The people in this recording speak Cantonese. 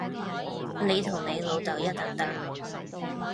你同你老豆一擔擔